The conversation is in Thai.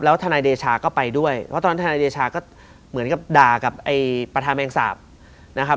ทนายเดชาก็ไปด้วยเพราะตอนนั้นทนายเดชาก็เหมือนกับด่ากับไอ้ประธานแมงสาปนะครับ